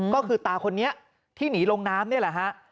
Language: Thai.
ก็คือตาคนนี้ที่หนีลงน้ำนี่แหละฮะ